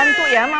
enggak ya pak